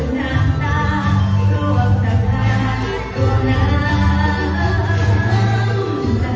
ที่ร่วมสะท้ายตัวน้ำใจ